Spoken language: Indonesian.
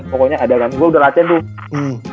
pokoknya ada kan gue udah latihan tuh